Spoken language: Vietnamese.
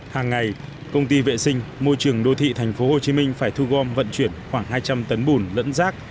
hàng ngày công ty vệ sinh môi trường đô thị thành phố hồ chí minh phải thu gom vận chuyển khoảng hai trăm linh tấn bùn lẫn rác